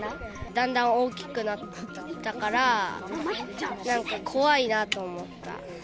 だんだん大きくなったから、なんか怖いなと思った。